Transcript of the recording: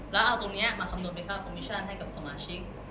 แล้วเอาตรงนี้มาคำนวณเป็นค่าโปรโมชั่นให้กับสมาชิก